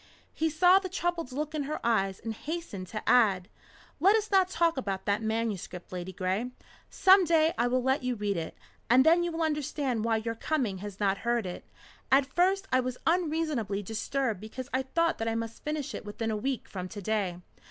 He saw the troubled look in her eyes, and hastened to add: "Let us not talk about that manuscript, Ladygray. Some day I will let you read it, and then you will understand why your coming has not hurt it. At first I was unreasonably disturbed because I thought that I must finish it within a week from to day.